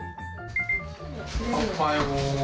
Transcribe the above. おはよう。